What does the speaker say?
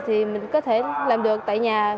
thì mình có thể làm được tại nhà